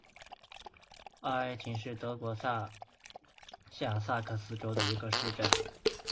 奥埃岑是德国下萨克森州的一个市镇。